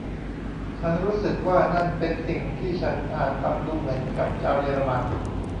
ฉันรู้สึกว่านั่นเป็นสิ่งที่ฉันอาจฟังดูเหมือนกับชาวเยอรมัน